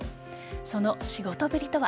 その仕事ぶりとは。